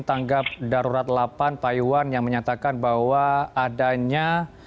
tanggap darurat delapan pak iwan yang menyatakan bahwa adanya